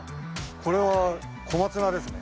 これは小松菜ですね。